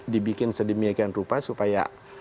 dibikin sedemikian rupa supaya